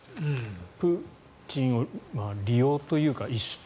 プーチンを利用というか。